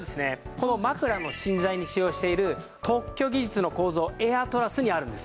この枕の芯材に使用している特許技術の構造エアトラスにあるんです。